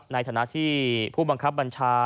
ในฐานะที่ผู้บังคับบัญชา